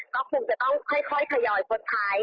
ก็คงจะต้องค่อยขยอยโฟดไทย